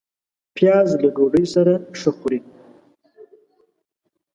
پیاز له ډوډۍ سره ښه خوري